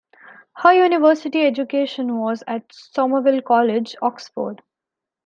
Her university education was at Somerville College, Oxford.